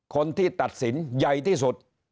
คนที่ตัดสินใหญ่ที่สุด